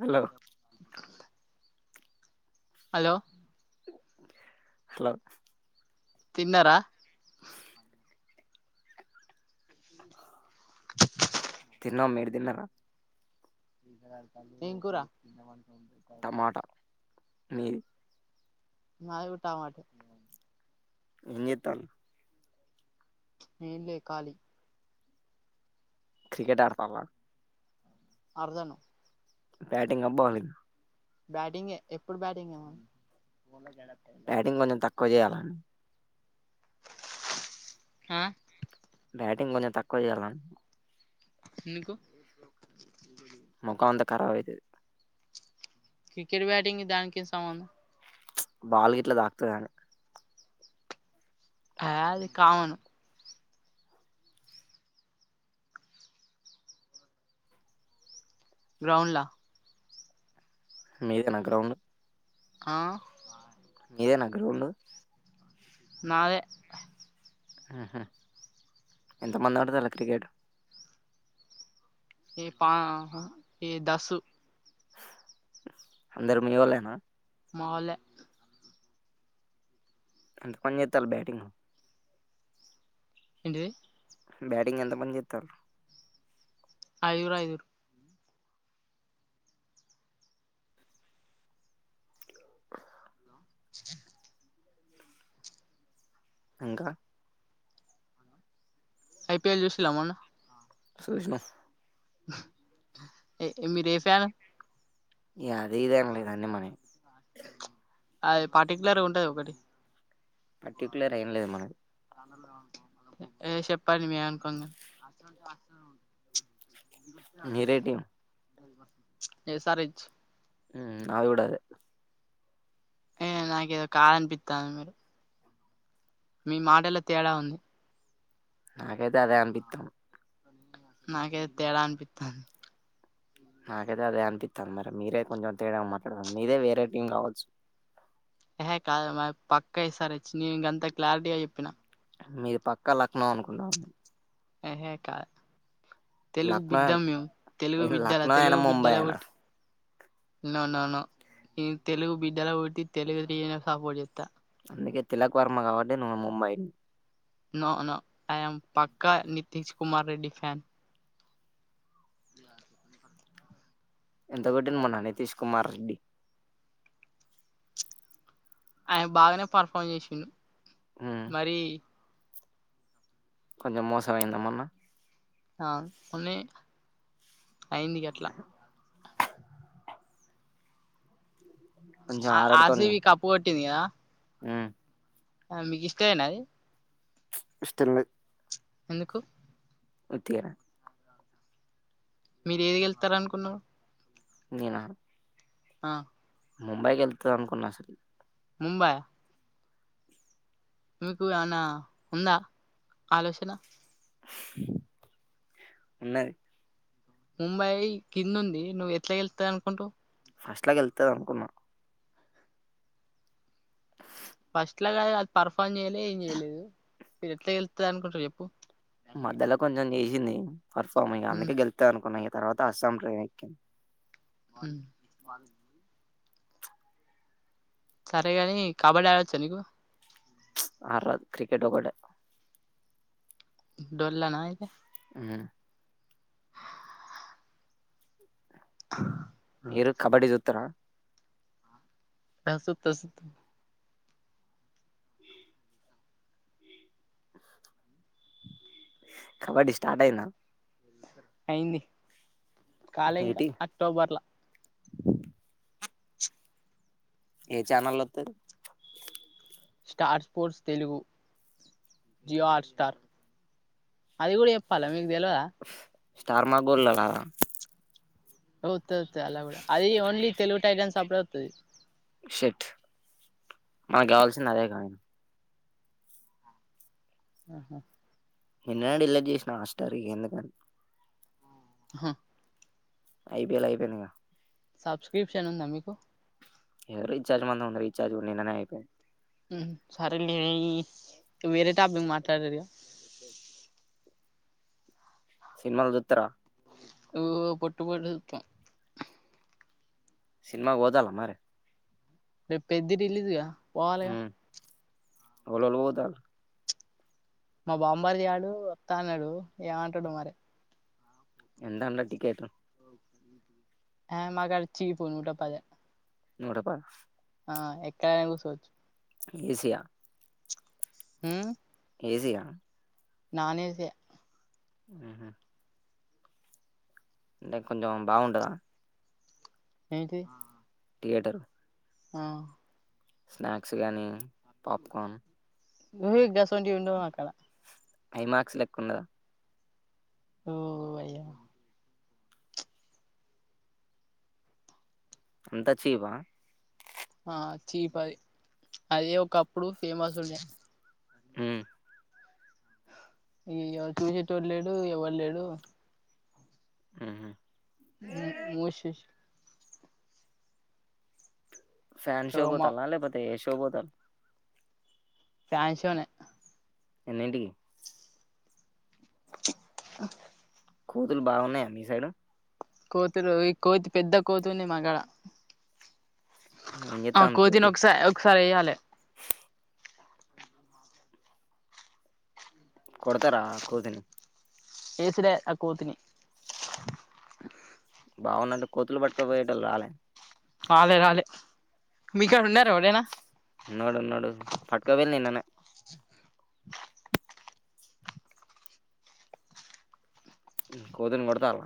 Hello hello hello తిన్నారా తిన్నాం మీరు తిన్నార ఏంకురా టమాటా మీది మాది కూడ టామాటే ఏం చెత్తన్లు ఏంలే కాలి క్రికెట్ ఆడతాన్ల అర్దను బ్యాటింగ్ అబ్బవాలి బ్యాటింగ్ ఎప్పుడు బ్యాటింగ్ మ బ్యాటింగ్ కొంచెం తక్కువ చేయాలండి హ బ్యాటింగ్ కొంచెం తక్కువ చెయ్యాల ఎందుకు ముఖం అంతా ఖరాబ్ అవుతుది క్రికెట్ బ్యాటింగ్ దానికి సంబంధం బాల్ గట్లా తాకుత కాని హ అది కావను గ్రౌండ్లా మీర గ్రౌండ్ ఆ ఇదే నా గ్రౌండ్ నాది ఎంత మందిడు తలత్రికట ఏ పా ఏ దశ అందరు మీ వాళనా మహలె అంత కొని చేత్తాలి బ్యాటింగ్ ఏంటి బ్యాటింగ్ ఎంత పని చేస్తారు ఐదు ఐదురు [inaudible] ఇంకా ఐపిఎల్ చూసిలామన్న చుసినా మీరే ఫ్యాన్ ఏ అదేదాం దన్న మన అది పర్టిక్యలర్గా ఉంటది ఒకటి పర్టిక్యలర్ ఎమ్ లేదు మన చెప్పండి మేము అనుకుంద నిరేటిటీం ఎస్ ఆర్ హెచ్ అవి కూడా ద ఏ నాక ఏదో కాదనిపిస్తాను మీరు మీ మాటలో తేడా ఉంది నాకైతే అదే అనిపిస్తాం నాకైతే తేడా అనిపిస్తంది నాకైతే అదే అనిపిస్తుంది మరి మీరే కొంచెం తేడా మాట్లాడత మీదే వేరే టీం కావచ్చు హహే కాద మ పక్క వేస్తారు వచ్చి నేను ఇంకంత క్లారిటీగా చెప్పిన మీరు పక్కా లక్నో అనుకుంటామడి హకా తెలుగు లక్నో బద మేము తెలుగు నేను విద్యాల లక్నో అయినా తెలుగు ముంబై విద్యాల అయినా కొట్టి ననన న తెలుగు బిడ్డలా పెట్టి తెలుగు సపోర్ట్ చెస్తా అందుకే తిలక్ వర్మ కాబట్టి నువ్వు ముంబై నో నో ఇయామ్మ్ పాక్క నితష కుమార్ రెడ్డి ఫ్యాన్ ఇ అ ప ప ఎంత పెటిన మొ నా నితీష్ కుమార్ రెడ్డి ఆయన బాగానే పర్ఫార్మ్ చేసిండు ఉమ్ మరి కొంచం మోసం అయ్యిందా మొన్న ఆ మొన్నే ఐంది గట్ల కొంచెం ఆ ఆర్సీవి కప్పు కొట్టింది కదా ఆ ఆ మీకి తీసాకపోయిండా అది ఇష్టం లేద్ ఎందుకు ఉత్తిగ్నే మీరేది గెళ్తార అనుకున్నావ్ నేనా ఆ ముంబైకి గెల్తది అనుకున్న అసలు ముంబాయ మీకు ఏమన్నా ఉందా ఆలోచన ఉన్నది ముంబయి కింద్ ఉంది నువ్వు ఎట్లా గెళ్తాంది అనుకుంటావ్ ఫస్ట్ లా గెల్తాది అనుకున్నా ఫస్ట్ లా గది అది పర్ఫామ్ చేయలే ఏం చేయలేదు మీరు ఎట్లా గెల్తది అనుకుంట్రు చెప్పు మధ్యలో కొంచెం చేసింది పర్ఫామ్ ఇగ మ్మ్ అందుకే గెళ్తాది అనుకున్నా తర్వాత అస్సాం ట్రేన్ ఎక్కి మాల సరేగాని కబడ్డి ఆడొచ్చా నీకు చ్ ఆడ్రాద్ క్రికెట్ ఒకటె డొల్లానా ఇది హ్మ్ [inaudible] మీరు కబడ్డి చూత్తర ఆ చూస్తస్ కబడ్డి స్టార్ట్ అయిందా అయింది కాలే ఇంకా ఏటి అక్టోబర్లా ఏ ఛానల్లో వత్తది Star Sports Telugu Jio Hotstar అది కుడా చెప్పాలా మీకు తెలవదా స్టార్ మా గోల్డ్ రాద ఆ వత్తది వత్తది అలా కూడా అది ఓన్లీ తెలుగు టైటన్స్ అప్పుడే వత్తది షెట్ మన కావాల్సింది అదే గా ఆహా నిన్ననే డిలీట్ చేసిన హస్టర్ ఇగ ఎందుకని ఆహ ఐపీఎల్ అయిపోయింది గా సబ్స్క్రిప్షన్ ఉందా మీకు ఏదో రీఛార్జ్ మందం ఉండే రీచార్జ్ కుడా నిన్ననే అయిపోయింది. హ్మ్ సరే లేయి ఇక వేరే టాపిక్ మాట్లాడుర్రి ఇగ సిన్మాలు చుత్తర ఓ పొట్టు పొట్టు చుత్తా సినిమాక్ పోతాళ్ళ మరి రేపు పెద్ది రిలీజ్ గ పోవాలగ ఎవలోవాళ్ళు పోతాళ్లు మా బామ్మరిది గాడు వత్తా అన్నడు ఏమంటడో మరె ఎంతన టికెటు ఆ మా కాడ చీపు నూట పదే నూట పద్ ఆ ఎక్కడైనా కూర్చోవచ్చు ఏసి ఆ ఊ ఏసి ఆ నాన్ ఏసే ఉహు అంటే కొంచెం బాగుంటదా ఏంటిది థియేటరు ఆ స్నాక్స్ గానీ పాప్కోన్ ఊహె గసొంటివి ఉండవక్కడ హై మార్క్స్ లెక్ ఉండదా ఓ అయ అంతా చీపా ఆ చీపది అది ఒకప్పుడు ఫేమస్ ఉండే ఊ ఇగ చూసేట లేడు ఎవరు లేడు ఉహు మూ మూసేష్ ఫ్యాన్ షో ఇగో మా పోతల లేకపోతే ఏ షో పోతల్ ఫ్యాన్షోనే ఎన్నింటికి [inaudible] కూతులు బాగున్నాయా మీ సైడు కోతులు ఈ కోతి పెద్ద కోతుంది మా కాడ ఏం ఆ చేత్తాంది కోతిని కోతి ఒకసారి ఒకసారి వేయ్యాలి కొడతారా కోతీని ఏసుడే అ కోతిని బాగుందండి కోతులు పట్టుకోపోయేటోళ్ళు రాలే రాలే రాలే మీకడ ఉన్నర ఎవరైనా ఉనడు ఉనడు పట్క ఓయిల్లు నిన్ననే ఉ కోతిని కొడతలా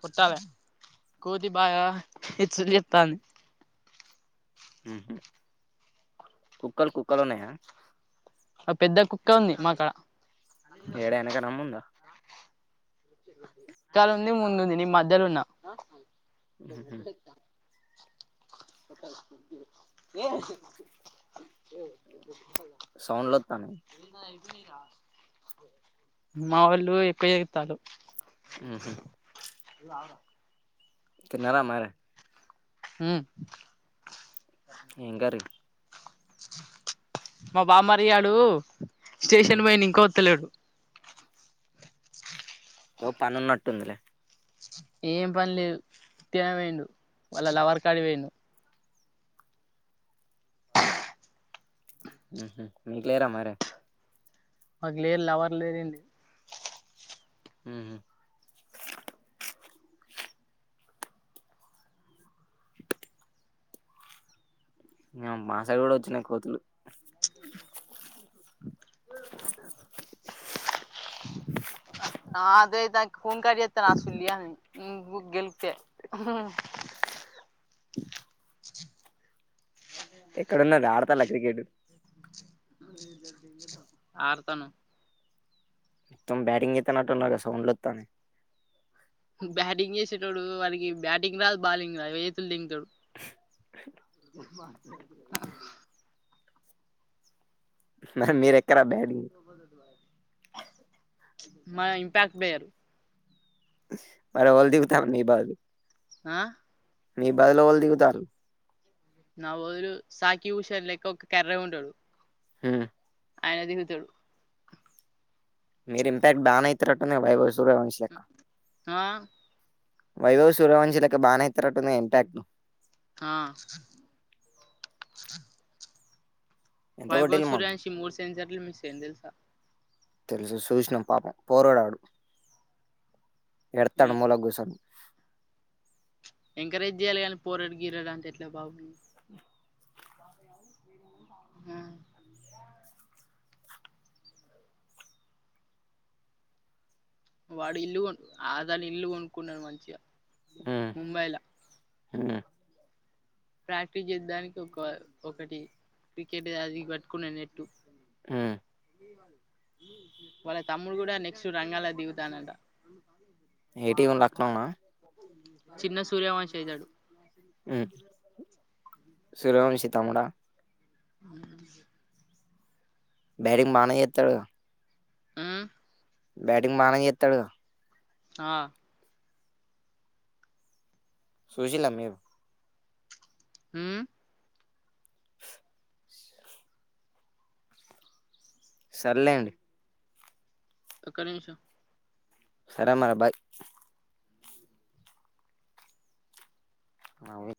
కొట్టాలే కోతి బాగా ఎచ్చులు ఏతాంది ఉహు కుక్కలు కుక్కలునయా ఆ పెద్ద కుక్క ఉంది మాకాడ ఏడ వెనకన ముందా క్కాల ఉంది ముందుంది నీ మధ్యల ఉన్న ఊహు ఒకల్ ఫుడ్డు ఏంది చెప్ [unintelligible] ఏ సౌండ్లు వత్తాన్నాయి నాయి ఐపోయినయిరా మా వోళ్ళు ఎక్కో ఏతలు ఉహు తిన్నార మరి ఊ ఏం కర్రీ మా బామ్మరి గాడు ఉమ్ స్టేషన్ పోయిండు ఇంక వతలేడు ఓ పని ఉన్నట్టుందిలే ఏం పని లేదు ఉత్తి నే ఒయిండు వాళ్ళ లవర్ కాడి ఓయిండు హ్మ్ హు మీరు లేరా మరి మాకు లేరు లవర్ లేరండి మ్మ్ మ్మ్ ఇంగ మా సైడు కూడా వచ్చినయి కోతులు [inaudible] [inaudible] ఆదే తక్కువ ఉంటె చెత్తన అస్సలు [unintelligible] మ్మ్ బుగ్గలు తే [unintelligible] ఎక్కడున్నది ఆడతాల క్రికెట్ ఆడతన్నా తం బ్యాటింగ్ చెత్తన్నట్టున్నవే సౌండ్లు వత్తాన్నాయి బ్యాటింగ్ చేసేటోడు వాళ్కి బ్యాటింగ్ రాదు బాలింగ్ రాదు వికెట్లు! ! ! ! ! ! ! ! ఆ గ మీరే మన ఇంపాక్ట్ వేరు మరి వొళ్ళు! ! ! ! ! ! ! ! ! మీ బాల్ని ఆ మీ బాలో వాళ్ళు దిగుతారు నా వొళ్ళు సాకి ఊష లెక్క ఒకడు కర్రెగుంటాడు మ్మ్ ఆయన దిగుతడు మీరు ఇంటరాక్ట్ బానే అయితరున్నవే వైభ సూర్యవంశి లెక్క ఆ వైభవ్ సూర్యవంశీ లెక్క బానే అయితనట్టున్నదే ఇంపాక్ట్ ఆ ఎంత వైభవ కొట్టిల్లు మొన్న సూర్యావంశీ మూడు సెన్జర్లు మిస్ చేసి [inaudible] మీకు తెలుసా తెలుసు సూసినం పాపం పోరాడాడు ఎడత్తండు మూలకు కూసోని ఎంకరేజ్ చెయ్యాలి గానీ పోరాడకి గిర అంత ఎట్లా బాబు ఆ వాడు ఇల్లు కొన్ ఆదని ఇల్లు కొనుక్కున్నాడు మంచిగా ముంబైలా మ్మ్ ప్రాక్టీస్ చేసేడానికి ఒక ఒకటి క్రికెట్ అది పట్టుకున్నా నెట్టు ఆ వాళ్ళ తమ్ముడు కూడా నెక్స్ట్ రంగాలా దిగుతండంట ఏ టీమ్ లక్నోనా చిన్న సూర్యవంశీ అయితాడు కాాలకి సూర్యవంశీ తమ్ముడా అ బ్యాటింగ్ బానే చెత్తాడు గా ఉమ్ బ్యాటింగ్ బానే చెత్తాడు గా ఆ సుసిల్లా మీరు మ్మ్ సర్లేండి ఒక్క నిమిషం సరే మరి బాయ్ అవు